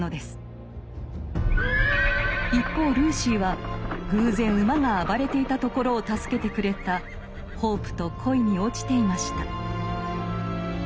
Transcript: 一方ルーシーは偶然馬が暴れていたところを助けてくれたホープと恋に落ちていました。